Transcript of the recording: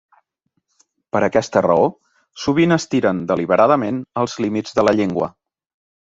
Per aquesta raó, sovint estiren deliberadament els límits de la llengua.